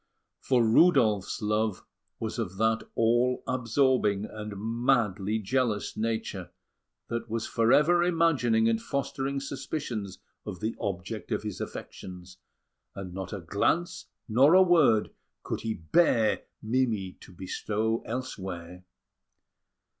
For Rudolf's love was of that all absorbing and madly jealous nature, that was for ever imagining and fostering suspicions of the object of his affections; and not a glance nor a word could he bear Mimi to bestow elsewhere.